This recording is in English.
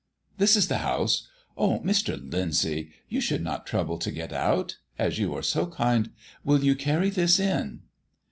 This is the house. Oh, Mr. Lyndsay, you should not trouble to get out. As you are so kind, will you carry this in?"